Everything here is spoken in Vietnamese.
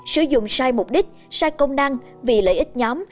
sử dụng sai mục đích sai công năng vì lợi ích nhóm